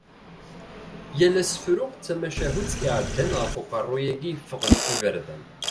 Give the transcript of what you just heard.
Yal asefru d tamacahutt iɛeddan ɣef uqerru-yagi yeffɣen iberdan.